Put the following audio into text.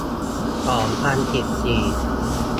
สองพันสิบสี่